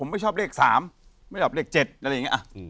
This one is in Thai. ไม่ชอบเลข๗อะไรอย่างนี้